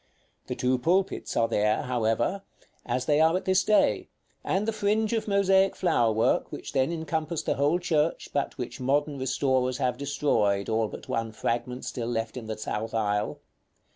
The two pulpits are there, however, as they are at this day, and the fringe of mosaic flower work which then encompassed the whole church, but which modern restorers have destroyed, all but one fragment still left in the south aisle.